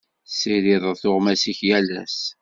Tessirideḍ tuɣmas-ik yal ass.